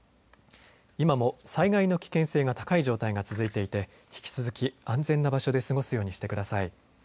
今も災害の危険性が高い状態が続いていて引き続き安全な場所で過ごすようにしてください。